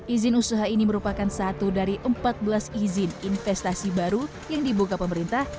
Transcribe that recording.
izin usaha ini merupakan satu dari empat belas izin investasi baru yang dibuka pemerintah